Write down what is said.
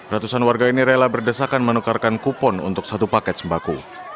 ratusan warga ini rela berdesakan menukarkan kupon untuk satu paket sembako